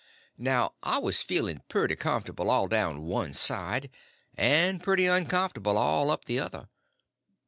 Now I was feeling pretty comfortable all down one side, and pretty uncomfortable all up the other.